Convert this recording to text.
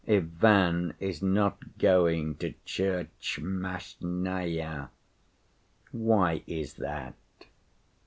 Ivan is not going to Tchermashnya—why is that?